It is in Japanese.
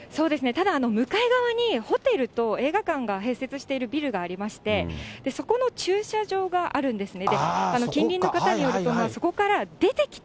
ただ向かい側に、ホテルと映画館が併設しているビルがありまして、そこの駐車場があるんですね。